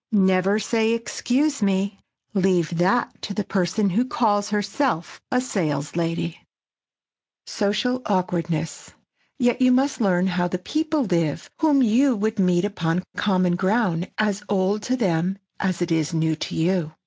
Never say "Excuse me!" Leave that to the person who calls herself a "saleslady." [Sidenote: SOCIAL AWKWARDNESS] Yet you must learn how the people live whom you would meet upon common ground as old to them as it is new to you.